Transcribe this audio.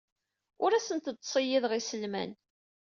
Ur asent-d-ttṣeyyideɣ iselman.